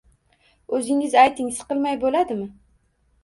O`zingiz ayting, siqilmay bo`ladimi